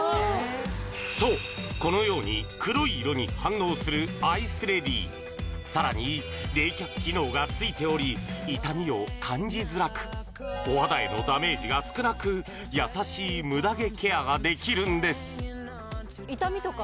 そうこのように黒い色に反応するアイスレディさらに冷却機能が付いており痛みを感じづらくお肌へのダメージが少なく優しいムダ毛ケアができるんです痛みとか？